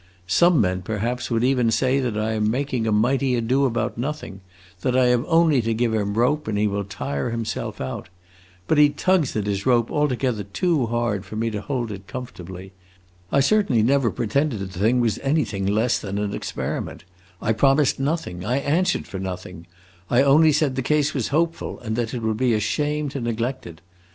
Some men, perhaps, would even say that I am making a mighty ado about nothing; that I have only to give him rope, and he will tire himself out. But he tugs at his rope altogether too hard for me to hold it comfortably. I certainly never pretended the thing was anything else than an experiment; I promised nothing, I answered for nothing; I only said the case was hopeful, and that it would be a shame to neglect it.